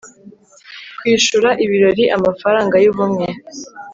kwishura ibirori, amafaranga yubumwe